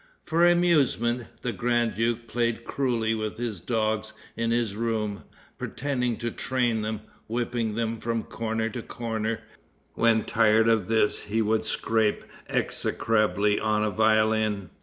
For amusement, the grand duke played cruelly with dogs in his room, pretending to train them, whipping them from corner to corner. When tired of this he would scrape execrably on a violin.